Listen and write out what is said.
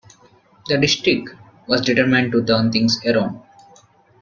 The District was determined to turn things around.